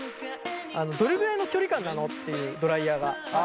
どれぐらいの距離感なのっていうドライヤーが。